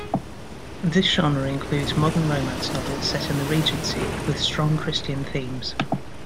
This genre includes modern romance novels set in the Regency with strong Christian themes.